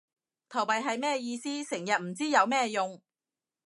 投幣係咩意思？成日唔知有咩用